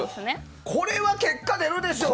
これは結果出るでしょ？